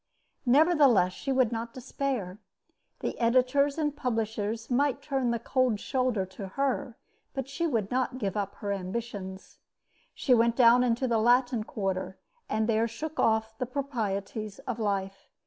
Nevertheless, she would not despair. The editors and publishers might turn the cold shoulder to her, but she would not give up her ambitions. She went down into the Latin Quarter, and there shook off the proprieties of life.